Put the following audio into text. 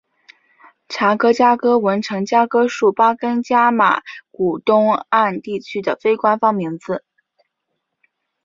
查哥加哥文程加哥术巴根加马古东岸地区的非官方名字。